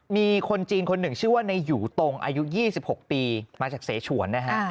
มีคนจีนคนหนึ่งชื่อว่าในหยูตรงอายุ๒๖ปีมาจากเสฉวนนะฮะ